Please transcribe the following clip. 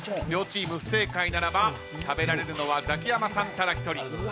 両チーム不正解ならば食べられるのはザキヤマさんただ１人。